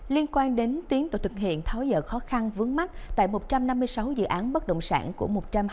liên quan đến tiến độ thực hiện tháo dỡ khó khăn vướng mắt tại một trăm năm mươi sáu dự án bất động sản của một trăm hai mươi